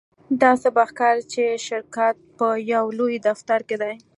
داسې به ښکاري چې شرکت په یو لوی دفتر کې دی